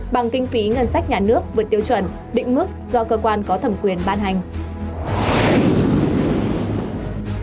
bằng kinh phí ngân sách nhà nước vượt tiêu chuẩn định mức do cơ quan có thẩm quyền ban hành